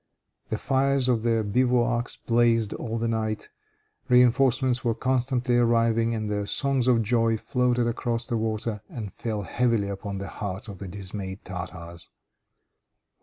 The fires of their bivouacs blazed all the night, reinforcements were continually arriving, and their songs of joy floated across the water, and fell heavily upon the hearts of the dismayed Tartars.